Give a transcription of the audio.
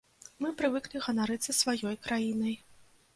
Мы прывыклі ганарыцца сваёй краінай.